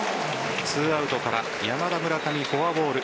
２アウトから山田、村上フォアボール